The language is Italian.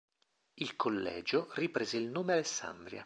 Il collegio riprese il nome Alessandria.